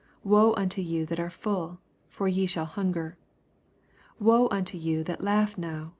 25 Woe unto you that are full 1 for ve shall hunger. Woe unto you that laugh now!